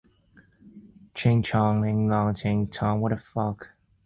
Maharashtra emerged as winners of the tournament.